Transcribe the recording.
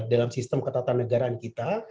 dalam sistem ketatanegaraan kita